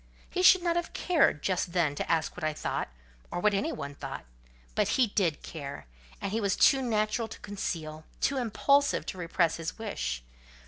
He should not have cared just then to ask what I thought, or what anybody thought, but he did care, and he was too natural to conceal, too impulsive to repress his wish.